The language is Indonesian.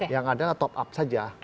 yang ada top up saja